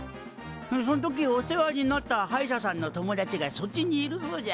そん時お世話になった歯医者さんの友達がそっちにいるそうじゃ。